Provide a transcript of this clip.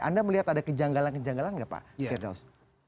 anda melihat ada kejanggalan kejanggalan nggak pak firdaus